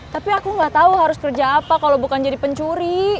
tapi aku nggak tahu harus kerja apa kalau bukan jadi pencuri